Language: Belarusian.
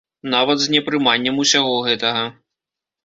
Нават з непрыманнем усяго гэтага.